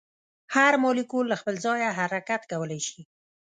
هر مالیکول له خپل ځایه حرکت کولی شي.